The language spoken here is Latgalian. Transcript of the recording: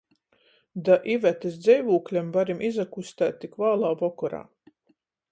Da Ivetys dzeivūkļam varim izakustēt tik vālā vokorā.